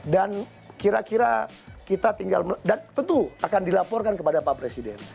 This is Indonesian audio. dan kira kira kita tinggal dan tentu akan dilaporkan kepada pak presiden